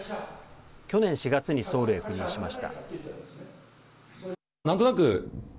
去年４月にソウルへ赴任しました。